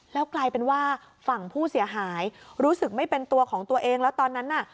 แล้วกลายเป็นว่าฝั่งผู้เสียหายรู้สึกไม่เป็นตัวของตัวเองแล้วตอนนั้นน่ะ